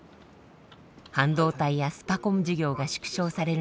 半導体やスパコン事業が縮小される